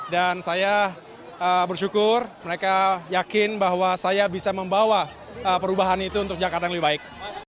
dan saya bersyukur mereka yakin bahwa saya bisa membawa perubahan itu untuk jakarta yang lebih baik